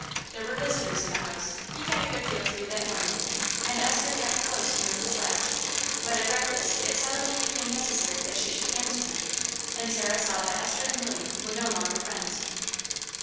There were visitors in the house, he had a good deal to do that morning, and Esther kept close to Mrs. Latch; but at breakfast it suddenly became necessary that she should answer him, and Sarah saw that Esther and William were no longer friends.